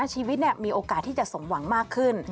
ชีวิตมีโอกาสที่จะสมหวังมากขึ้น